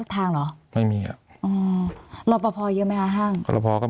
มีความรู้สึกว่ามีความรู้สึกว่ามีความรู้สึกว่า